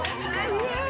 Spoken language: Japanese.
イエイ！